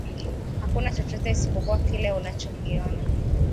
Hakuna chochote isipokuwa kile unachokiona